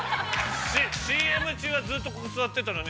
◆ＣＭ中は、ずっとここに座ってたのに。